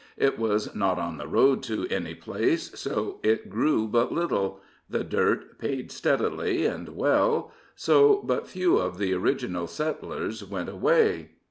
It was not on the road to any place, so it grew but little; the dirt paid steadily and well, so but few of the original settlers went away.